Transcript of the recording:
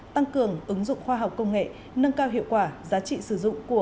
tăng cường ứng dụng khoa học công nghệ nâng cao hiệu quả giá trị sử dụng của